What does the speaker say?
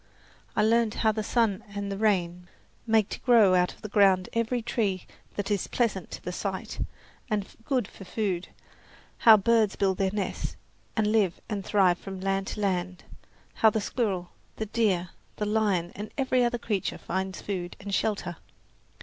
I learned how the sun and the rain make to grow out of the ground every tree that is pleasant to the sight and good for food, how birds build their nests and live and thrive from land to land, how the squirrel, the deer, the lion and every other creature finds food and shelter.